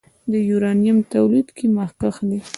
د یورانیم تولید کې مخکښ دی.